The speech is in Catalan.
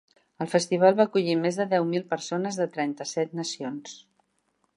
El festival va acollir més de deu mil persones de trenta-set nacions.